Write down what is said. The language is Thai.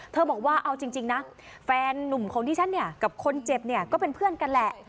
บอกว่าเอาจริงนะแฟนนุ่มของที่ฉันเนี่ยกับคนเจ็บเนี่ยก็เป็นเพื่อนกันแหละ